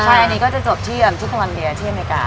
ใช่อันนี้ก็จะจบที่ชุดตะวันเดียวที่อเมริกา